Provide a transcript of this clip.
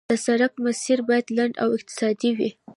د سړک مسیر باید لنډ او اقتصادي وي